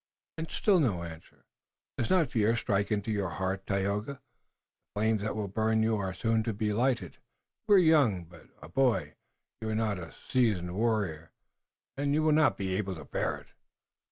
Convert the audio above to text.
And still no answer. "Does not fear strike into your heart, Tayoga? The flames that will burn you are soon to be lighted. You are young, but a boy, you are not a seasoned warrior, and you will not be able to bear it."